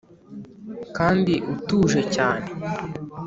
kandi utuje cyane